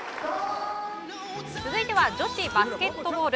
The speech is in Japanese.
続いては女子バスケットボール。